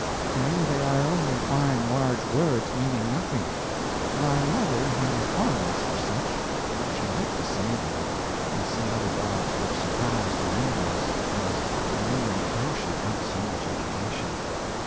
To me they are only fine large words meaning nothing. My mother had a fondness for such; she liked to say them, and see other dogs look surprised and envious, as wondering how she got so much education.